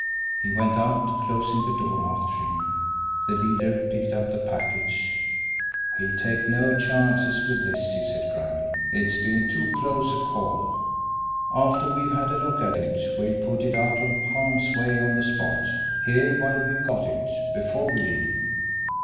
He went out, closing the door after him. The leader picked up the package. "We'll take no chances with this," he said grimly. "It's been too close a call. After we've had a look at it, we'll put it out of harm's way on the spot, here, while we've got it before we leave!"